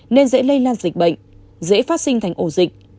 nên dễ lây lan dịch bệnh dễ phát sinh thành ổ dịch